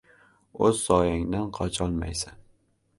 • O‘z soyangdan qocholmaysan.